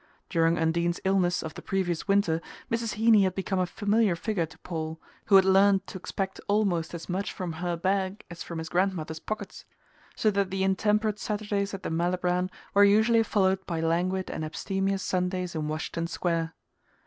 During Undine's illness of the previous winter Mrs. Heeny had become a familiar figure to Paul, who had learned to expect almost as much from her bag as from his grandmother's pockets; so that the intemperate Saturdays at the Malibran were usually followed by languid and abstemious Sundays in Washington Square.